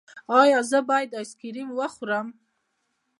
ایا زه باید آیسکریم وخورم؟